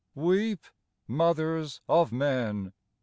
Weep, mothers of men